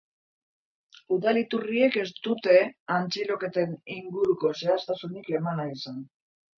Udal iturriek ez dute atxiloketen inguruko xehetasunik eman nahi izan.